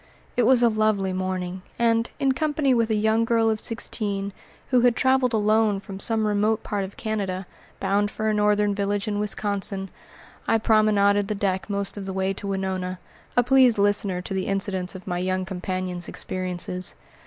It was a lovely morning, and, in company with a young girl of sixteen, who had traveled alone from some remote part of Canada, bound for a northern village in Wisconsin, I promenaded the deck most of the way to Winona, a pleased listener to the incidents of my young companion's experiences.